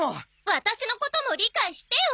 ワタシのことも理解してよ！